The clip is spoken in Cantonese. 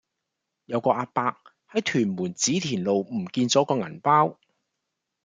有個亞伯喺屯門紫田路唔見左個銀包